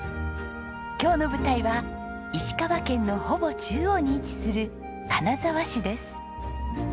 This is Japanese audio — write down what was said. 今日の舞台は石川県のほぼ中央に位置する金沢市です。